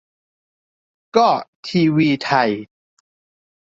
ก็ ทีวีไทย